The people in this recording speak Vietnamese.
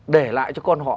để lại cho con họ